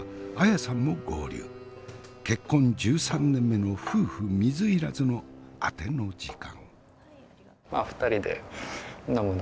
結婚１３年目の夫婦水入らずのあての時間。